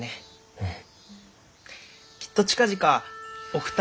うん。